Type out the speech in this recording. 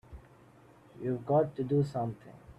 You've got to do something!